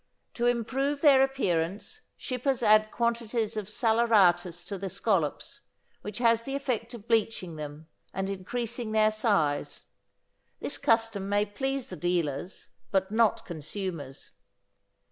To improve their appearance, shippers add quantities of saleratus to the scallops, which has the effect of bleaching them, and increasing their size: this custom may please the dealers, but not consumers.